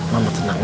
mama tenang ya